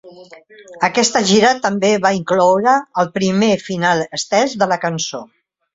Aquesta gira també va incloure el primer final estès de la cançó.